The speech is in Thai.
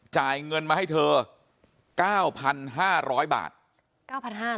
จ่ายเงินมาให้เธอ๙๕๐๐บาท๙๕๐๐บาท